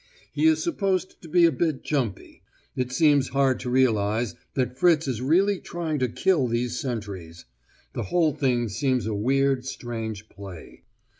He is supposed to be a bit jumpy! It seems hard to realise that Fritz is really trying to kill these sentries: the whole thing seems a weird, strange play.